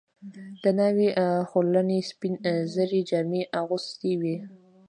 د ناوې خورلڼې سپین زري جامې اغوستې وې.